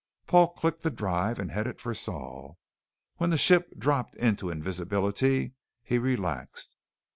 Paul clicked the drive and headed for Sol. When the ship dropped into invisibility, he relaxed.